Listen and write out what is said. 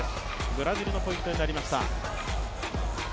ブラジルのポイントになりました。